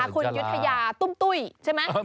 คุณยุธยาตุ้มตุ้ยใช่ไหม